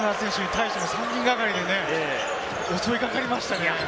３人がかりでね、襲いかかりましたね。